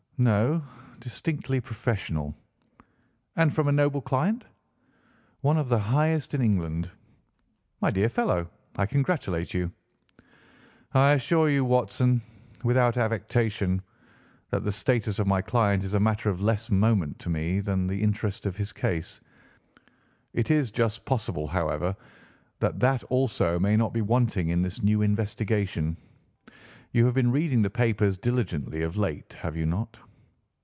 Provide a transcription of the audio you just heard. "No, distinctly professional." "And from a noble client?" "One of the highest in England." "My dear fellow, I congratulate you." "I assure you, Watson, without affectation, that the status of my client is a matter of less moment to me than the interest of his case. It is just possible, however, that that also may not be wanting in this new investigation. You have been reading the papers diligently of late, have you not?"